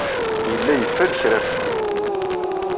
Yella yeffer kra fell-i.